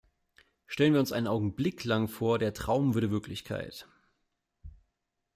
Stellen wir uns einen Augenblick lang vor, der Traum würde Wirklichkeit.